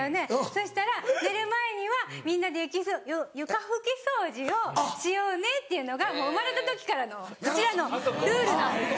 そしたら寝る前にはみんなで床拭き掃除をしようねっていうのがもう生まれた時からのうちらのルールなんです。